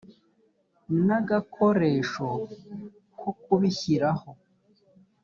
n agakoresho ko kubishyiraho